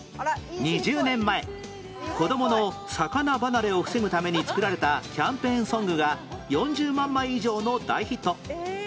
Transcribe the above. ２０年前子どもの魚離れを防ぐために作られたキャンペーンソングが４０万枚以上の大ヒット！